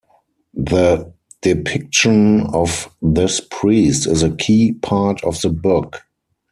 The depiction of this priest is a key part of the book.